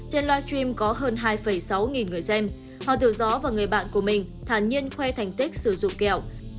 trên livestream có hơn hai sáu nghìn người xem hoàng tử gió và người bạn của mình thàn nhiên khoe thành tích sử dụng kẹo